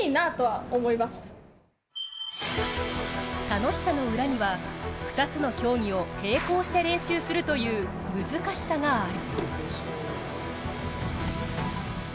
楽しさの裏には、２つの競技を並行して練習するという難しさがある。